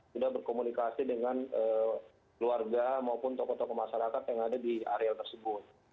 sudah berkomunikasi dengan keluarga maupun tokoh tokoh masyarakat yang ada di areal tersebut